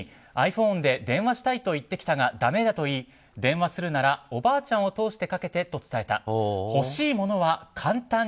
僕にｉＰｈｏｎｅで電話したいと言ってきたがだめだと言い電話するならおばあちゃんを通してかけてと伝えた。